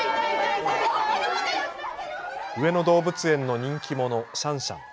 上野動物園の人気者、シャンシャン。